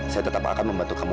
saya tetap akan membantu kamu